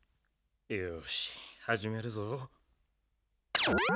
よしはじめるぞ。